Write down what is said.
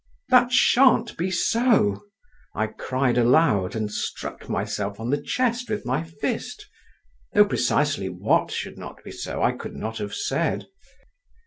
That shan't be so!" I cried aloud, and struck myself on the chest with my fist, though precisely what should not be so I could not have said.